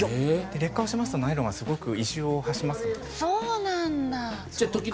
劣化をしますとナイロンはすごく異臭を発しますので。